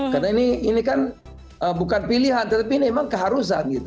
karena ini kan bukan pilihan tetapi ini memang keharusan gitu